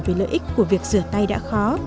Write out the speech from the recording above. về lợi ích của việc rửa tay đã khó